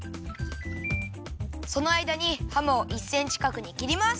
そのあいだにハムを１センチかくにきります。